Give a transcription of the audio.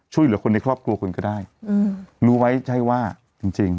ช่วยเหลือคนในครอบครัวคุณก็ได้รู้ไว้ใช่ว่าจริงจริง